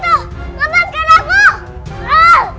kok begitu teman kan aku